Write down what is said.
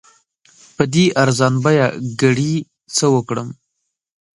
په دې ارزان بیه ګړي څه وکړم؟